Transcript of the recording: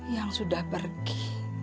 yang sudah pergi